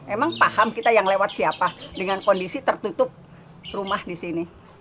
emang paham kita yang lewat siapa dengan kondisi tertutup rumah di sini